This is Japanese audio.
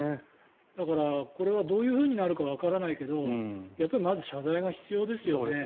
だから、これはどういうふうになるかわからないけどまず、謝罪が必要ですよね。